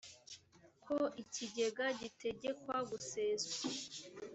ko ikigega gitegekwa guseswa